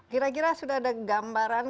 kira kira sudah ada gambaran